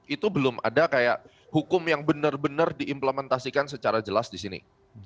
itu belum ada kayak hukum yang benar benar diimplementasikan secara jelas di sini